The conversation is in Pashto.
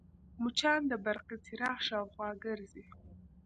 مچان د برقي څراغ شاوخوا ګرځي